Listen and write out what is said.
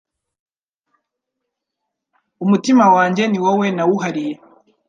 Umutima wanjye niwowe nawu hariye